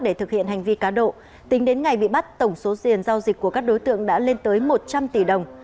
để thực hiện hành vi cá độ tính đến ngày bị bắt tổng số tiền giao dịch của các đối tượng đã lên tới một trăm linh tỷ đồng